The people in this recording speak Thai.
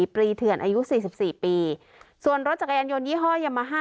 ปรีเถื่อนอายุสี่สิบสี่ปีส่วนรถจักรยานยนยี่ห้อยามาฮ่า